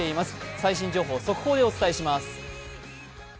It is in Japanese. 最新情報、速報でお伝えします。